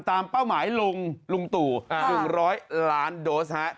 เป้าหมายลุงลุงตู่๑๐๐ล้านโดสฮะ